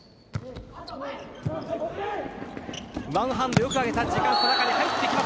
ワンハンド、よく上げた時間差、中に入ってきます。